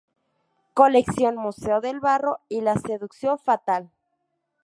Colección Museo del Barro", y "La seducción fatal.